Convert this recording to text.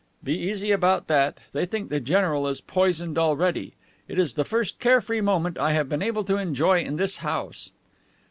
"Be easy about that. They think the general is poisoned already. It is the first care free moment I have been able to enjoy in this house."